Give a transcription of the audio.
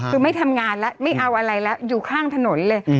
คือไม่ทำงานแล้วไม่เอาอะไรแล้วอยู่ข้างถนนเลย